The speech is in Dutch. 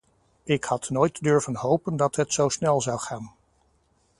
Ik had nooit durven hopen dat het zo snel zou gaan.